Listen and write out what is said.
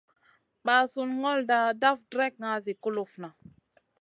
Ɓasunda ŋolda daf dregŋa zi kulufna.